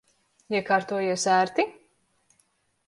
Iekārtojies ērti?